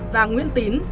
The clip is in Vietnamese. và nguyễn tín